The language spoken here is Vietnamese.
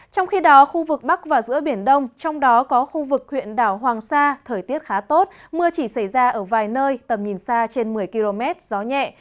trong khi đó khu vực bắc và giữa biển đông trong đó có khu vực huyện đảo hoàng sa thời tiết khá tốt mưa chỉ xảy ra ở vài nơi tầm nhìn xa trên một mươi km gió nhẹ